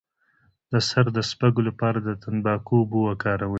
د سر د سپږو لپاره د تنباکو اوبه وکاروئ